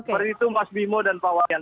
perhitung mas bimo dan pak wayan